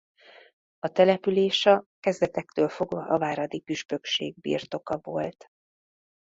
A településa kezdetektől fogva a Váradi püspökség birtoka volt.